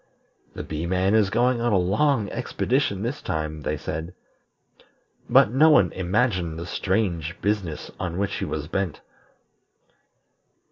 "The Bee man is going on a long expedition this time," they said; but no one imagined the strange business on which he was bent.